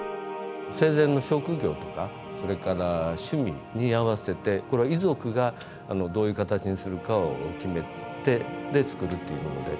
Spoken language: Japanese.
生前の職業とかそれから趣味に合わせてこれは遺族がどういう形にするかを決めてで作るというもので。